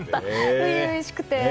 初々しくて。